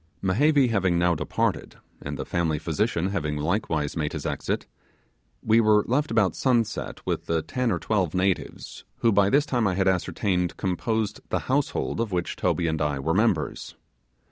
Mehevi having now departed, and the family physician having likewise made his exit, we were left about sunset with ten or twelve natives, who by this time I had ascertained composed the household of which Toby and I were members.